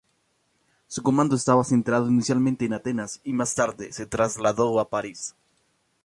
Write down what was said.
Su comando estaba centrado inicialmente en Atenas y más tarde se trasladó a París.